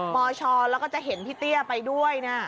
ปชแล้วก็จะเห็นพี่เตี้ยไปด้วยนะ